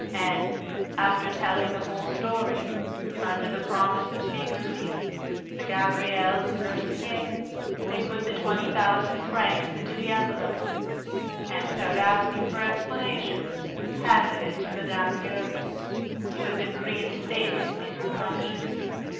And, after telling the whole story, under the promise of secrecy, to Gabriel and Mercier, they put the twenty thousand francs into the envelope and without asking for explanations, handed it to Mme. Giry, who had been reinstated in her functions.